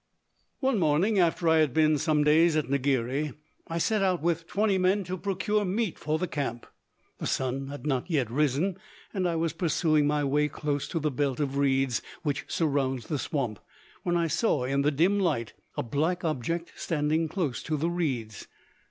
One morning, after I had been some days at Ngiri, I set out with twenty men to procure meat for the camp. The sun had not yet risen, and I was pursuing my way close to the belt of reeds which surrounds the swamp, when I saw in the dim light a black object standing close to the reeds.